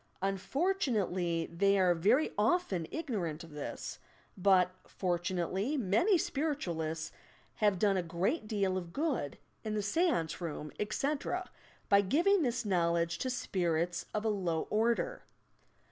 Unfortu nately, they are very often ignorant of this, but for tunately many spiritualists have done a great deal of good in the seance room, etc., by giving this knowledge to "spirits" of a low order.